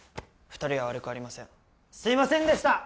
２人は悪くありませんすみませんでした！